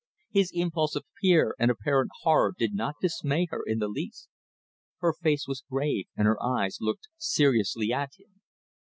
His impulse of fear and apparent horror did not dismay her in the least. Her face was grave and her eyes looked seriously at him.